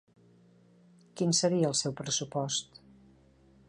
Quin seria el seu pressupost?